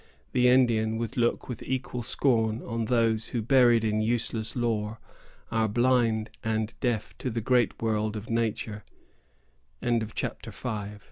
The Indian would look with equal scorn on those who, buried in useless lore, are blind and deaf to the great world of nature. CHAPTER VI. 1760.